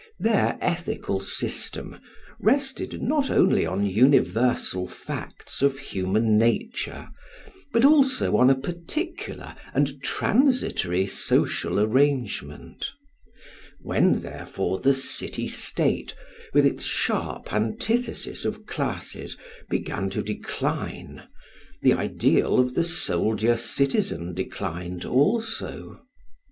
Their ethical system rested not only on universal facts of human nature, but also on a particular and transitory social arrangement. When therefore the city State, with its sharp antithesis of classes, began to decline, the ideal of the soldier citizen declined also.